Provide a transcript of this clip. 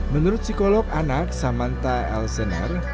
menurut psikolog anak samanta elsener